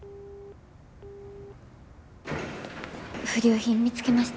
不良品見つけました。